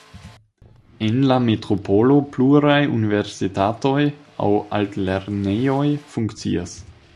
En la metropolo pluraj universitatoj aŭ altlernejoj funkcias.